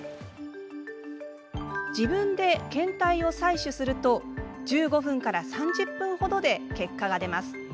自分で検体を採取すると１５分から３０分ほどで結果が出ます。